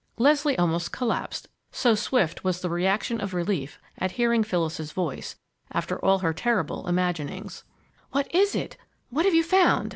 Leslie almost collapsed, so swift was the reaction of relief at hearing Phyllis's voice, after all her terrible imaginings. "What is it? What have you found?"